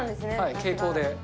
傾向で。